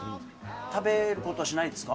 食べることはしないんですか？